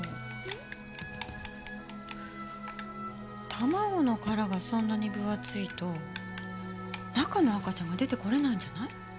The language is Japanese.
卵の殻がそんなに分厚いと中の赤ちゃんが出てこれないんじゃない？